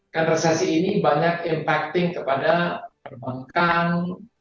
karena resesi ini banyak impacting kepada pembangkang